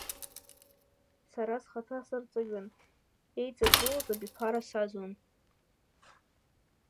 Сара схаҭа сырҵаҩын, еиҵагылоз абиԥара сааӡон.